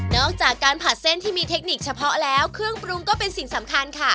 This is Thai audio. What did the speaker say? อกจากการผัดเส้นที่มีเทคนิคเฉพาะแล้วเครื่องปรุงก็เป็นสิ่งสำคัญค่ะ